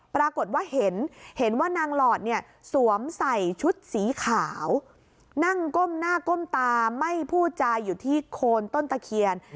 ปรากฏว่าเห็นเห็นว่านางหลอดเนี่ยสวมใส่ชุดสีขาวนั่งก้มหน้าก้มตาไม่พูดจาอยู่ที่โคนต้นตะเคียน